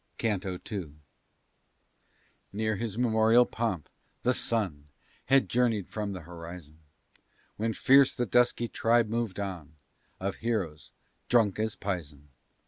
CANTO II Near his meridian pomp, the sun Had journey'd from th' horizon; When fierce the dusky tribe mov'd on, Of heroes drunk as pison.